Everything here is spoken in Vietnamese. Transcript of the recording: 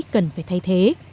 cần phải thay thế